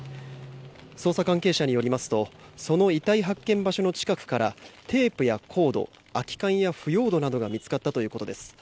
捜査関係者によりますとその遺体発見場所の近くからテープやコード空き缶や腐葉土などが見つかったということです。